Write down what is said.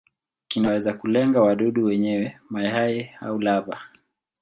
Kinaweza kulenga wadudu wenyewe, mayai au lava.